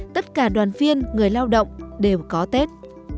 tất cả đoàn viên người lao động đều có tết